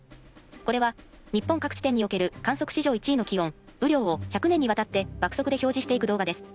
これは日本各地点における観測史上１位の気温・雨量を１００年にわたって爆速で表示していく動画です。